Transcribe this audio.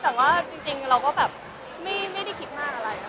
แต่ว่าจริงเราก็แบบไม่ได้คิดมากอะไร